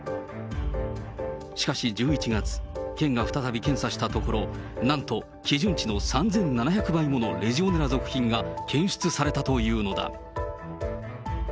しかし１１月、県が再び検査したところ、なんと基準値の３７００倍ものレジオネラ属菌が検出されたというのだ。